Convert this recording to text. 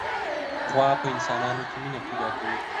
غوا په انسانانو کې مینه پیدا کوي.